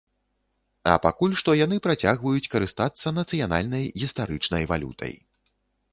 А пакуль што яны працягваюць карыстацца нацыянальнай гістарычнай валютай.